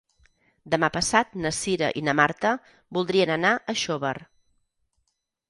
Demà passat na Cira i na Marta voldrien anar a Xóvar.